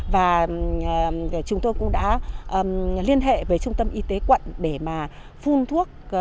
và chúng tôi cũng đã liên hệ với trung tâm y tế quận để mà phun thuốc